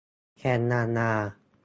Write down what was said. แคนาดา